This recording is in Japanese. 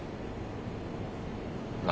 何？